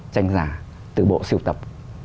tranh giả từ bộ siêu tập